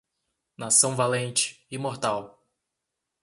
Nação valente, imortal